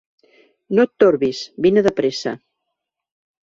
No et torbis: vine de pressa.